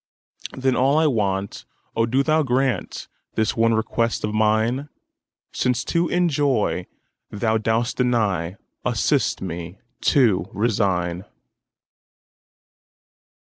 Then all I want—O do Thou grantThis one request of mine!—Since to enjoy Thou dost deny, Assist me to resign.